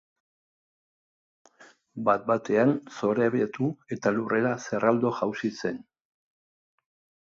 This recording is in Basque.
Bat batean zorabiatu eta lurrera zerraldo jausi zen.